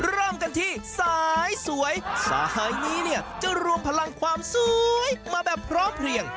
เริ่มกันที่สายสวยสายนี้เนี่ยจะรวมพลังความสวยมาแบบพร้อมเพลียง